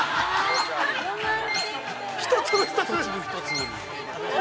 ◆一粒一粒に。